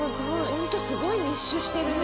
ホントすごい密集してる。